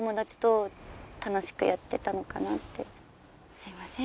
すいません